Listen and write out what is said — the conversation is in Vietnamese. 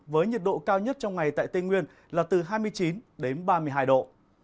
với nhiệt độ cao nhất trong ngày tại tây nguyên là từ hai mươi chín đến ba mươi hai độ